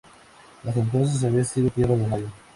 Hasta entonces habían sido tierra de nadie.